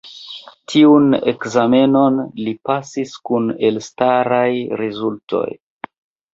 Tiun ekzamenon li pasis kun elstaraj rezultoj.